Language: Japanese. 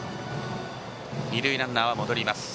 二塁ランナーは戻りました。